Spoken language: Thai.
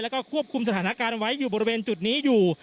แล้วก็ควบคุมสถานการณ์ไว้อยู่บริเวณจุดนี้อยู่